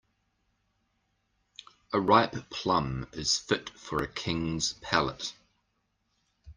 A ripe plum is fit for a king's palate.